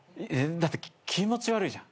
だって気持ち悪いじゃん。